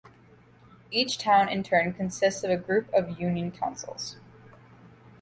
Each town in turn consists of a group of union councils.